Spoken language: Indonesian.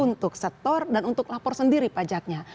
untuk setor dan untuk lapor sendiri pajaknya